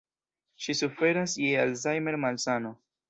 Ŝi suferas je Alzheimer-malsano.